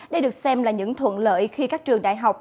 đây được xem là những thuận lợi khi các trường đại học